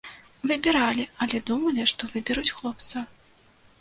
Выбіралі, але думалі, што выберуць хлопца.